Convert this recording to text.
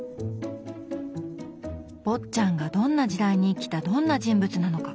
坊っちゃんがどんな時代に生きたどんな人物なのか？